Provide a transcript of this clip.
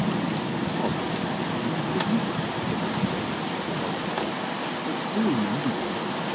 "The child's name is not Matty; it is Mita," said Mrs Twitter, on recovering her breath. "What do you mean, girl?"